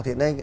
thì ở đây